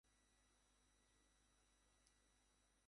আমি তখন নিজেকে বললাম, আমার জন্য এই যথেষ্ট।